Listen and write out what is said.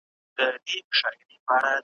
او چي روږد سي د بادار په نعمتونو ,